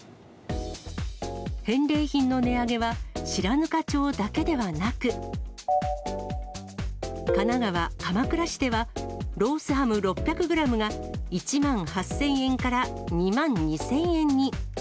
返礼品の値上げは、白糠町だけではなく、神奈川・鎌倉市では、ロースハム６００グラムが１万８０００円から２万２０００円に。